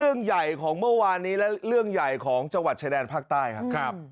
เรื่องใหญ่ของเมื่อวานนี้และเรื่องใหญ่ของจังหวัดชายแดนภาคใต้ครับ